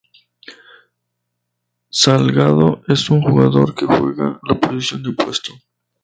Salgado es un jugador que juega la posición de opuesto.